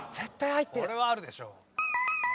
これはあるでしょう。